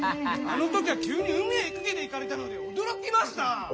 あの時は急に海へ駆けていかれたので驚きました。